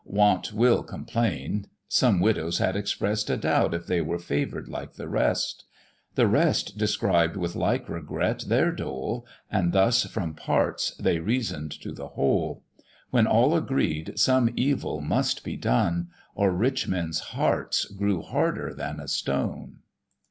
Want will complain: some widows had express'd A doubt if they were favour'd like the rest; The rest described with like regret their dole, And thus from parts they reason'd to the whole: When all agreed some evil must be done, Or rich men's hearts grew harder than a stone.